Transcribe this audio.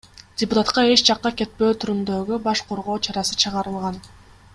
Депутатка эч жакка кетпөө түрүндөгү баш коргоо чарасы чыгарылган.